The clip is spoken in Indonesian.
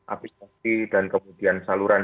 aplikasi dan kemudian saluran